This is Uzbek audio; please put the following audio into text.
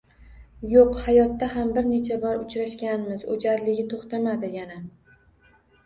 — Yo’q, hayotda ham bir necha bor uchrashganmiz, — o’jarligi to’xtamadi yana.